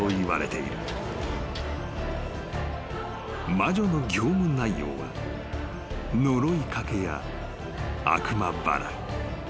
［魔女の業務内容は呪いかけや悪魔払いなどの他に］